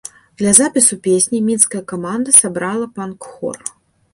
Для запісу песні мінская каманда сабрала панк-хор.